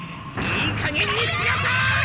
いいかげんにしなさい！